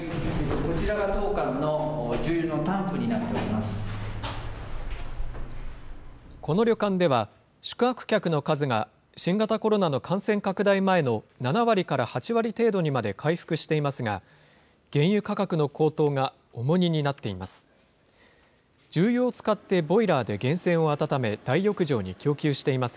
この旅館では、宿泊客の数が、新型コロナの感染拡大前の７割から８割程度にまで回復していますが、原油価格の高騰が重荷になっています。